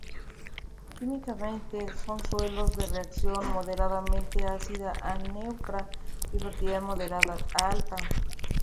Químicamente son suelos de reacción moderadamente ácida a neutra y fertilidad moderada a alta.